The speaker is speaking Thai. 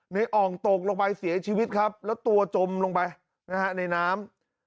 อ่องตกลงไปเสียชีวิตครับแล้วตัวจมลงไปนะฮะในน้ำ